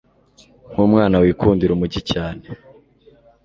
nkumwana wikundira, umujyi cyane